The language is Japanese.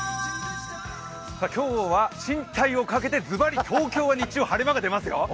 今日は進退をかけてズバリ東京は晴れ間が出ますよ。